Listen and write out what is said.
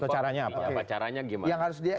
atau caranya apa caranya gimana yang harus